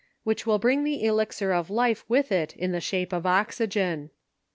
iich will bring the elixir of life with it in the shape of oxygen